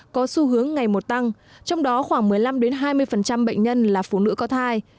có xu hướng ngày một tăng trong đó khoảng một mươi năm hai mươi bệnh nhân là phụ nữ có thai